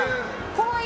怖い？